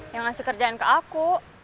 yang ngasih kerjain ke aku